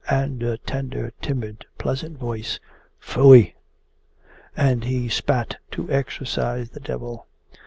And a tender, timid, pleasant voice. Phui!' And he spat to exorcise the devil.